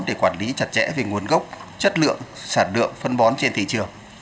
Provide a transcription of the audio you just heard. để quản lý chặt chẽ về nguồn gốc chất lượng sản lượng phân bón trên thị trường